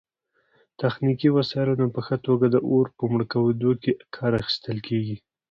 تخنیکي وسایلو نه په ښه توګه د اور په مړه کیدو کې کار اخیستل